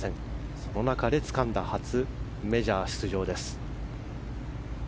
その中でつかんだ初メジャー出場です。